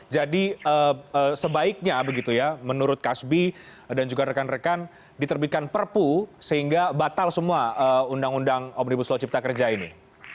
jadi sebaiknya menurut kasbi dan juga rekan rekan diterbitkan perpu sehingga batal semua undang undang omnibus law cipta kerja ini